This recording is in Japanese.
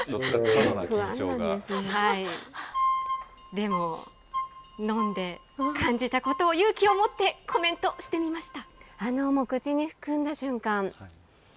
でも、飲んで、感じたことを勇気を持ってコメントしてみました。